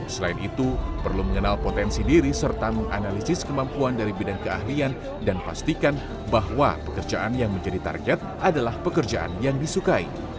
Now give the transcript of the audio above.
selain itu perlu mengenal potensi diri serta menganalisis kemampuan dari bidang keahlian dan pastikan bahwa pekerjaan yang menjadi target adalah pekerjaan yang disukai